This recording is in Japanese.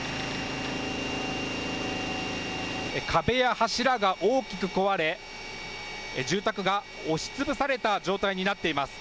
壁や柱が大きく壊れ住宅が押しつぶされた状態になっています。